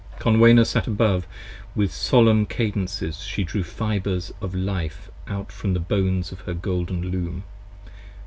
Ill Conwenna sat above: with solemn cadences she drew Fibres of life out from the Bones into her golden Loom.